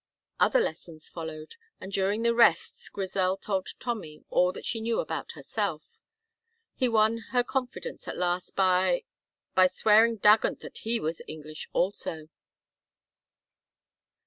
Other lessons followed, and during the rests Grizel told Tommy all that she knew about herself. He had won her confidence at last by by swearing dagont that he was English also.